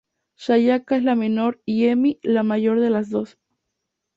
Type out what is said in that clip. Sayaka es la menor y Emi, la mayor de las dos.